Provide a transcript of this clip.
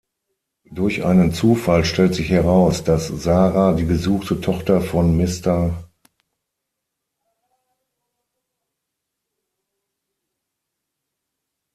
Durch einen Zufall stellt sich heraus, dass Sara die gesuchte Tochter von Mr.